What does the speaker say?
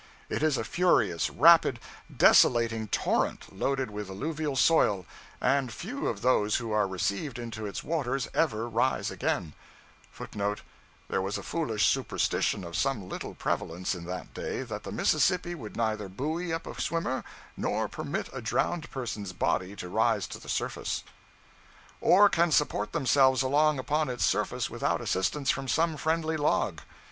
It is a furious, rapid, desolating torrent, loaded with alluvial soil; and few of those who are received into its waters ever rise again, {footnote [There was a foolish superstition of some little prevalence in that day, that the Mississippi would neither buoy up a swimmer, nor permit a drowned person's body to rise to the surface.]} or can support themselves long upon its surface without assistance from some friendly log.